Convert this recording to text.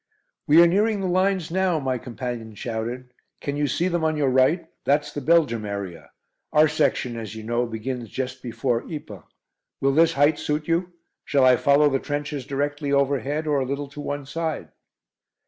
"We are nearing the lines now," my companion shouted. "Can you see them on your right? That's the Belgium area. Our section, as you know, begins just before Ypres. Will this height suit you? Shall I follow the trenches directly overhead or a little to one side?"